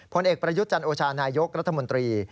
ผลเอกประยุทธ์จันโอชานายกรัฐมนตรี